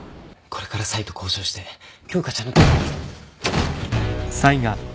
これからサイと交渉して京花ちゃんの。